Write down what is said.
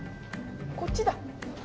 こっちだ。